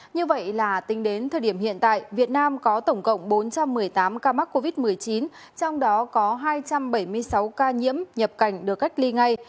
như vậy là tính đến thời điểm hiện tại việt nam có tổng cộng bốn trăm một mươi tám ca mắc covid một mươi chín trong đó có hai trăm bảy mươi sáu ca nhiễm nhập cảnh được cách ly ngay